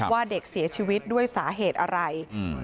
ว่าเด็กเสียชีวิตด้วยสาเหตุอะไร